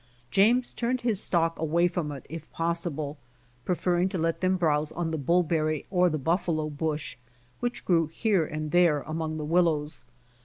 James turned his stock away from it if pos sible, preferring to let tliem browse on the buUberry or the buffalo bush, which grew here and there among the willows.